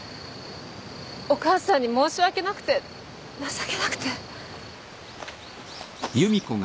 お母さんに申し訳なくて情けなくて。